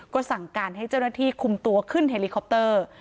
ก็สั่งการให้เจ้าหน้าที่คุมตัวขึ้นเฮลิคอปเตอร์